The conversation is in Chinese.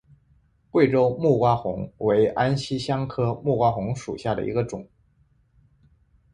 贵州木瓜红为安息香科木瓜红属下的一个种。